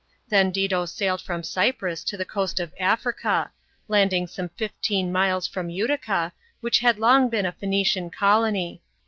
Then Dido sailed from Cyprus to the coast of Africa, landing some fifteen miles from Utica, which had long been a Phoenician colony.